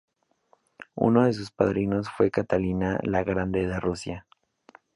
Uno de sus padrinos fue Catalina la Grande de Rusia.